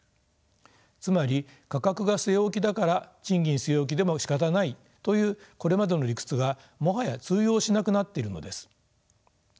つまり価格が据え置きだから賃金据え置きでもしかたないというこれまでの理屈がもはや通用しなくなっているのです。